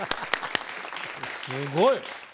すごい！